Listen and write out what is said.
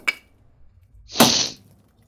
父亲是。